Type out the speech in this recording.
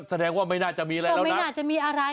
ก็แสดงว่าไม่น่าจะมีอะไรแล้วนะ